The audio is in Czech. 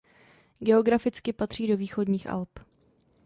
Geograficky patří do Východních Alp.